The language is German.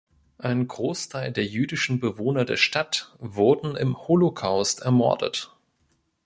Ein Großteil der jüdischen Bewohner der Stadt wurden im Holocaust ermordet.